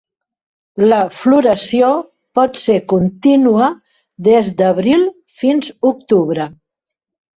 La floració pot ser contínua des d'abril fins octubre.